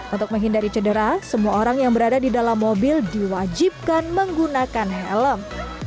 untuk menghindari cedera semua orang yang berada di dalam mobil diwajibkan menggunakan helm